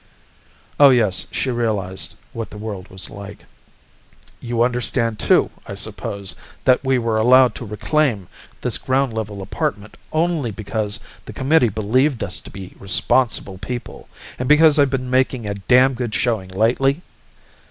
Oh, yes, she realized what the world was like. "You understand, too, I suppose, that we were allowed to reclaim this ground level apartment only because the Committee believed us to be responsible people, and because I've been making a damn good showing lately?"